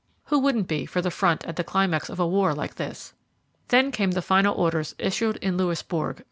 Who wouldn't be for the front at the climax of a war like this? Then came the final orders issued in Louisbourg.